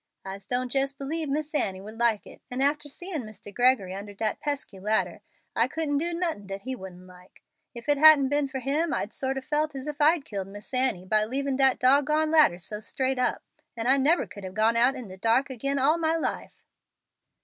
"I don't jes' believe Miss Annie would like it, and after seein' Mr. Gregory under dat pesky ladder, I couldn't do nothin' dat he wouldn't like. If it hadn't been for him I'd sorter felt as if I'd killed Miss Annie by leavin' dat doggoned ladder so straight up, and I nebber could hab gone out in de dark agin all my life."